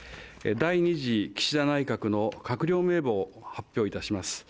第２次岸田内閣の閣僚名簿を発表いたします。